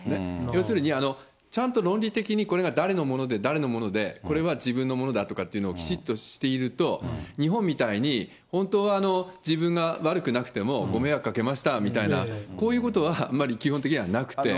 要するに、ちゃんと論理的にこれが誰のもので、誰のもので、これは自分のものだとかいうのをきちっとしていると、日本みたいに本当は自分が悪くなくても、ご迷惑かけましたみたいな、こういうことは、あまり基本的にはなくて。